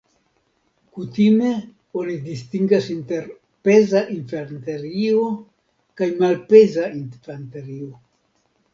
Kutime oni distingas inter peza infanterio kaj malpeza infanterio.